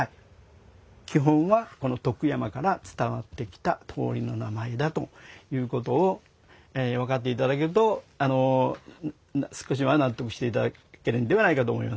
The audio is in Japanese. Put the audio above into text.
基本は徳山から伝わってきた通りの名前だということを分かっていただけると少しは納得していただけるんではないかと思います。